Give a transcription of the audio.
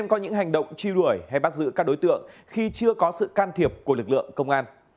có những hành động truy đuổi hay bắt giữ các đối tượng khi chưa có sự can thiệp của lực lượng công an